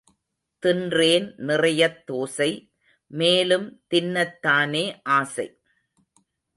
தின்றேன் நிறையத் தோசை—மேலும் தின்னத் தானே ஆசை.